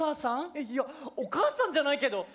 えっいやお母さんじゃないけど。